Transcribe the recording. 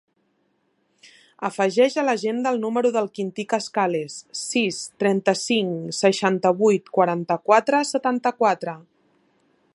Afegeix a l'agenda el número del Quintí Cascales: sis, trenta-cinc, seixanta-vuit, quaranta-quatre, setanta-quatre.